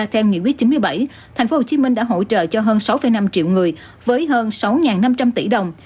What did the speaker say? theo nghị quyết chín mươi bảy tp hcm đã hỗ trợ cho hơn sáu năm triệu người với hơn sáu năm trăm linh tỷ đồng